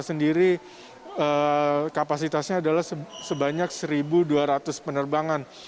bandara soekarno hatta sendiri kapasitasnya adalah sebanyak satu dua ratus penerbangan